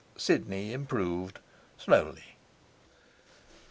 Sidney improved, slowly.